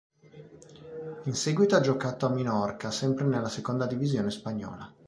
In seguito ha giocato a Minorca, sempre nella seconda divisione spagnola.